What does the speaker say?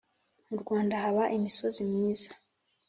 mu Rwanda haba imisozi myiza